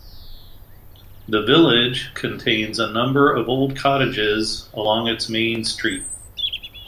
The village contains a number of old cottages along its main street.